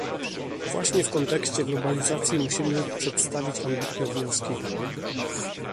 Właśnie w kontekście globalizacji musimy przedstawić ambitne wnioski